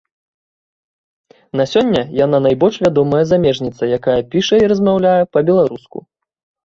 На сёння яна найбольш вядомая замежніца, якая піша і размаўляе па-беларуску.